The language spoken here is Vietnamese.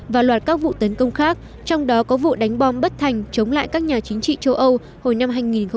và loạt các vụ tấn công khác trong đó có vụ đánh bom bất thành chống lại các nhà chính trị châu âu hồi năm hai nghìn một mươi